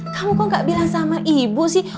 kamu kok gak bilang sama ibu sih